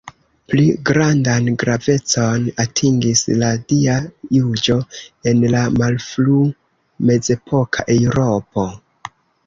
Pli grandan gravecon atingis la Dia juĝo en la malfru-mezepoka Eŭropo.